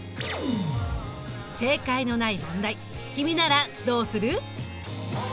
正解のない問題君ならどうする？